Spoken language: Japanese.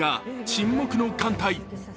「沈黙の艦隊」。